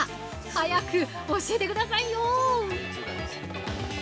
早く教えてくださいよ◆